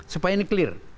supaya ini clear